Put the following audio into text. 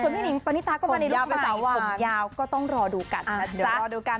สวัสดีนิงป้านิตาก็มาในลูกใหม่ผมยาวก็ต้องรอดูกัน